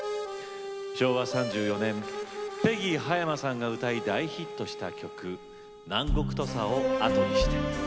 昭和３４年ペギー葉山さんが歌い大ヒットした曲「南国土佐を後にして」。